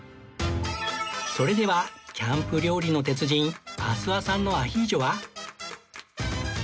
それではキャンプ料理の鉄人阿諏訪さんのアヒージョは？